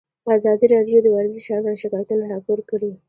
ازادي راډیو د ورزش اړوند شکایتونه راپور کړي.